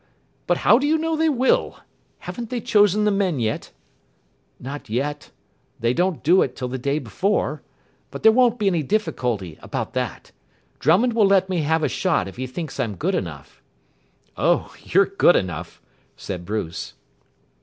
But how do you know they will? Have they chosen the men yet?" "Not yet. They don't do it till the day before. But there won't be any difficulty about that. Drummond will let me have a shot if he thinks I'm good enough." "Oh, you're good enough," said Bruce.